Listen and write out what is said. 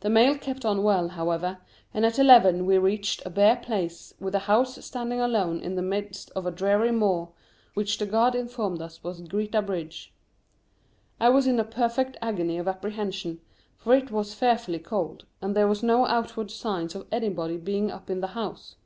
The mail kept on well, however, and at eleven we reached a bare place with a house standing alone in the midst of a dreary moor, which the guard informed us was Greta Bridge. I was in a perfect agony of apprehension, for it was fearfully cold, and there were no outward signs of anybody being up in the house.